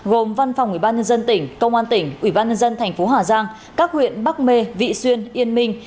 gồm văn phòng ủy ban nhân dân tỉnh công an tỉnh ủy ban nhân dân thành phố hà giang các huyện bắc mê vị xuyên yên minh